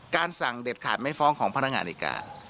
สั่งเด็ดขาดไม่ฟ้องของพนักงานอีกา